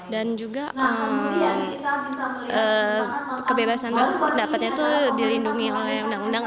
juga kebebasan pendapatnya itu dilindungi oleh undang undang